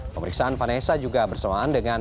pemeriksaan vanessa juga bersamaan dengan